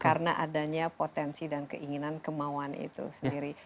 karena adanya potensi dan keinginan kemauan itu sendiri